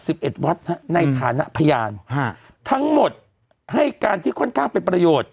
เอ็ดวัดฮะในฐานะพยานฮะทั้งหมดให้การที่ค่อนข้างเป็นประโยชน์